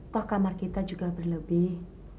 toh kamar kita juga berlebih